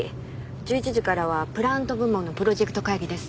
１１時からはプラント部門のプロジェクト会議です。